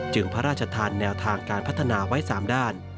จึงพระราชธารณ์แนวทางการพัฒนาไว้สามด้าน